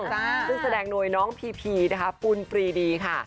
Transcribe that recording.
ซึ่งแสดงโดยน้องพีพีนะคะปุ่นฟรีดีค่ะ